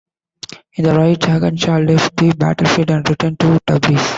In the night, Jahan Shah left the battlefield and returned to Tabriz.